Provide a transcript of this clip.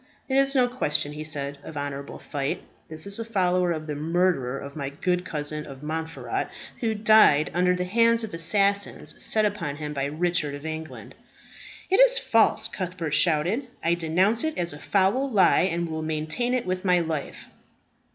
"It is no question," he said, "of honourable fight. This is a follower of the murderer of my good cousin of Montferat, who died under the hands of assassins set upon him by Richard of England." "It is false!" Cuthbert shouted. "I denounce it as a foul lie, and will maintain it with my life."